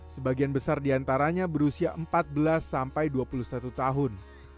sebagian besar diantaranya berusia empat belas sampai dua puluh satu tahun